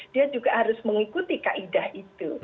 dia juga harus mengikuti kaidah itu